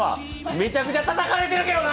めちゃくちゃたたかれてるけどな！